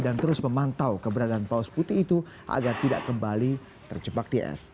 dan terus memantau keberadaan paus putih itu agar tidak kembali terjebak di es